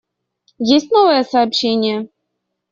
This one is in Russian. Есть новые сообщения?